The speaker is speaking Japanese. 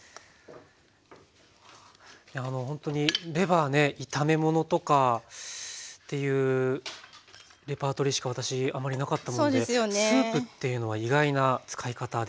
ほんとにレバーね炒め物とかっていうレパートリーしか私あんまりなかったものでスープっていうのは意外な使い方でした。